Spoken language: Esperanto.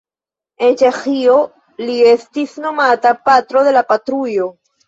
En Ĉeĥio li estis nomata "Patro de la Patrujo".